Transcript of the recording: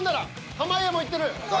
濱家もいってる。